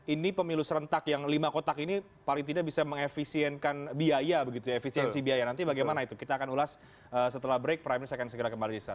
ini pemilu serentak yang lima kotak ini paling tidak bisa mengefisienkan biaya begitu ya efisiensi biaya nanti bagaimana itu kita akan ulas setelah break prime news akan segera kembali